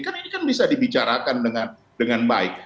kan ini kan bisa dibicarakan dengan baik